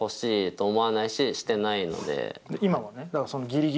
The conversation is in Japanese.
今はね。